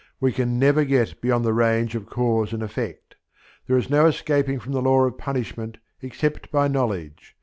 We can never get beyond the range of cause and effect. There is no escaping from the law of punishment, except by knowledge.